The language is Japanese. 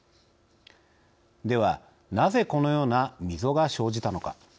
では、なぜこのような溝が生じたのか。